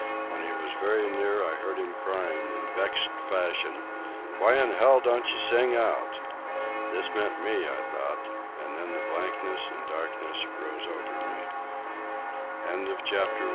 When he was very near I heard him crying, in vexed fashion, "Why in hell don't you sing out?" This meant me, I thought, and then the blankness and darkness rose over me. CHAPTER II I seemed swin